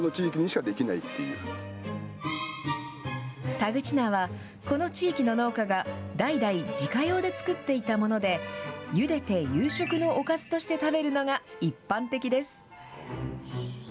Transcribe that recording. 田口菜は、この地域の農家が代々自家用で作っていたもので、ゆでて夕食のおかずとして食べるのが一般的です。